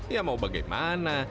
ya mau bagaimana